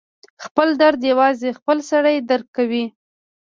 خپل درد یوازې خپله سړی درک کوي.